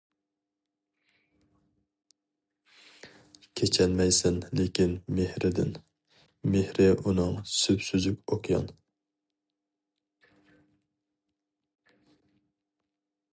كېچەلمەيسەن لېكىن مېھرىدىن، مېھرى ئۇنىڭ سۈپسۈزۈك ئوكيان.